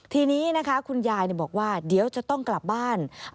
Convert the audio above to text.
ทีนี้นะคะคุณยายบอกว่าเดี๋ยวจะต้องกลับบ้าน